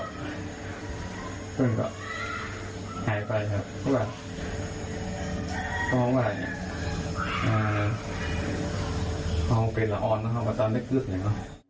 เพราะแบบเอาไว้เอาเป็นละอ่อนนะคะบัตรตาเล็กกึ๊ดอย่างเงี้ย